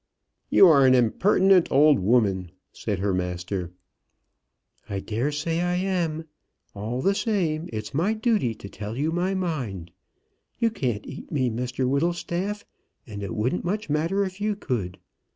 "You are an impertinent old woman," said her master. "I daresay I am. All the same, it's my duty to tell you my mind. You can't eat me, Mr Whittlestaff, and it wouldn't much matter if you could.